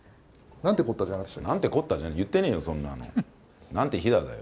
なんてこったじゃなくなんてこったなんて言ってねぇよ、そんなの。なんて日だだよ。